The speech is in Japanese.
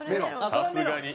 さすがに。